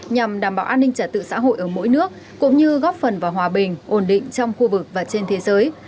nhằm đảm bảo an ninh trả tự xã hội ở mỗi nước cũng như góp phần vào hòa bình ổn định trong khu vực và trên thế giới